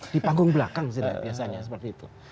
di panggung belakang sih biasanya seperti itu